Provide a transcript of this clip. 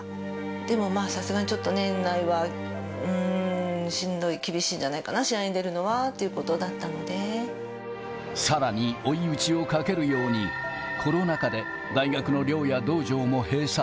でも、まあさすがに、ちょっと年内は、しんどい、厳しんじゃないかな、試合に出るさらに追い打ちをかけるように、コロナ禍で大学の寮や道場も閉鎖。